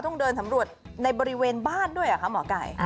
ต้องเดินสำรวจในบริเวณบ้านด้วยเหรอคะหมอไก่